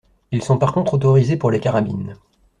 Ils sont par contre autorisés pour les carabines.